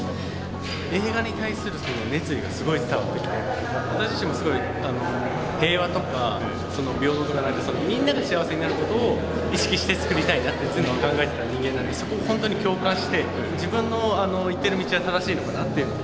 映画に対する熱意がすごい伝わってきて私自身も平和とか平等みんなが幸せになる事を意識してつくりたいなって常に考えてた人間なんでそこほんとに共感して自分の行ってる道は正しいのかなって。